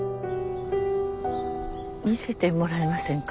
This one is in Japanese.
見せてもらえませんか？